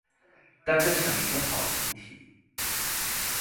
大家想一個好問題